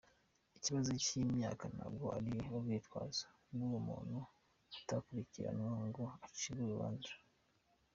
Ikibazo cy’imyaka ntabwo ari urwitwazo rw’uwo muntu atakurikiranwa ngo acirwe urubanza.